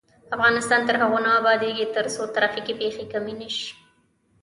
افغانستان تر هغو نه ابادیږي، ترڅو ترافیکي پیښې کمې نشي.